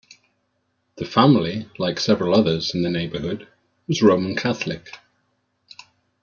The family, like several others in the neighbourhood was Roman Catholic.